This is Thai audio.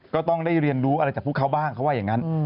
ก็ต้องได้เรียนรู้อะไรจากพวกเขาบ้างเขาว่าอย่างนั้น